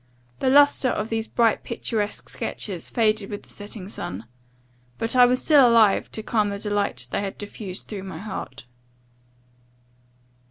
The lustre of these bright picturesque sketches faded with the setting sun; but I was still alive to the calm delight they had diffused through my heart.